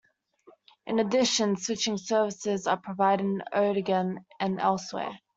In addition, switching services are provided in Ogden and elsewhere.